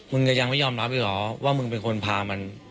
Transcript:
มึงกังไหลย่อมรับหรือว่ามึงเป็นคนพามัน